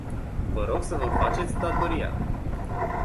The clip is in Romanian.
Vă rog să vă faceți datoria!